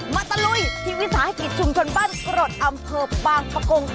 ตะลุยที่วิสาหกิจชุมชนบ้านกรดอำเภอบางปะกง